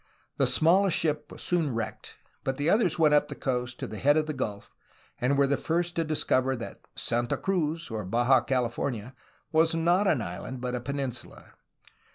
The smallest ship was soon wrecked, but the others went up the coast to the head of the gulf, and were the first to discover that ''Santa Cruz," or Baja California, was not an island but a peninsula.